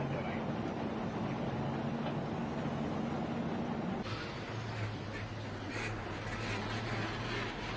นี่นี่นี่นี่นี่นี่